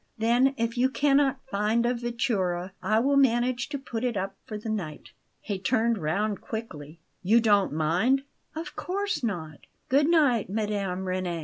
Then, if you cannot find a vettura, I will manage to put it up for the night." He turned round quickly. "You don't mind?" "Of course not. Good night, Mme. Reni!"